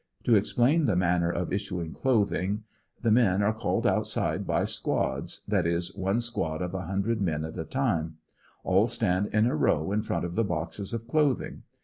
To explain the manner of issuiag cloth ing: The men are called outside by squads, that is, one squad of a hundred men at a time; all stand in a row in front of the boxes of clothing.